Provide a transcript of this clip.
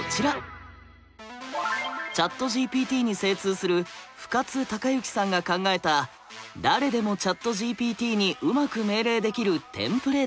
ＣｈａｔＧＰＴに精通する深津貴之さんが考えた誰でもＣｈａｔＧＰＴにうまく命令できるテンプレートです。